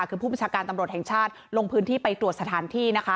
คือผู้บัญชาการตำรวจแห่งชาติลงพื้นที่ไปตรวจสถานที่นะคะ